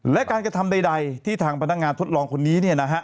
และการกระทำใดที่ทางพนักงานทดลองคนนี้เนี่ยนะฮะ